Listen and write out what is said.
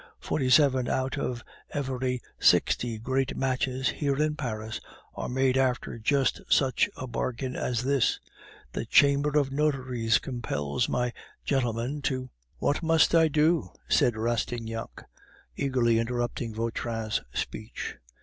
Forty seven out of every sixty great matches here in Paris are made after just such a bargain as this. The Chamber of Notaries compels my gentleman to " "What must I do?" said Rastignac, eagerly interrupting Vautrin's speech.